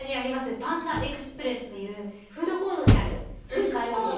パンダエクスプレスというフードコートにある中華料理です